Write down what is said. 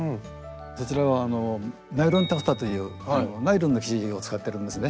そちらはナイロンタフタというナイロンの生地を使ってるんですね。